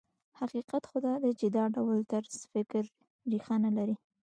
حقیقت خو دا دی چې دا ډول طرز فکر ريښه نه لري.